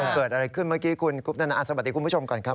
เกิดอะไรขึ้นเมื่อกี้คุณกุปตนาสวัสดีคุณผู้ชมก่อนครับ